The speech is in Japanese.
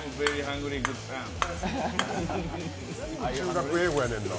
中学英語やねんな。